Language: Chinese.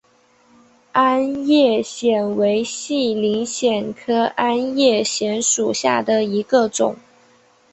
鞍叶藓为细鳞藓科鞍叶藓属下的一个种。